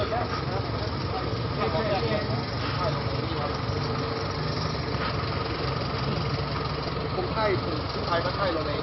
เรียกว่าไทยพวกไทยก็ไทยเราเอง